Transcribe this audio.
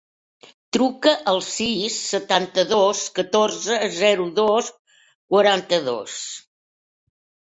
Truca al sis, setanta-dos, catorze, zero, dos, quaranta-dos.